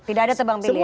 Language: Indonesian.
tidak ada tebang pilih ya